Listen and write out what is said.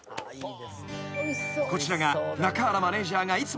［こちらが中原マネジャーがいつも頼む］